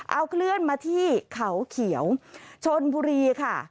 เอาเคลื่อนมาที่เขาเขียวชนบุรีค่ะ